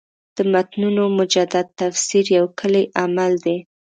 د متنونو مجدد تفسیر یو کُلي عمل دی.